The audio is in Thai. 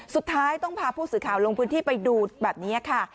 สุดท้ายต้องพาผู้สื่อข่าวลงพื้นที่ไปดูแบบนี้ค่ะ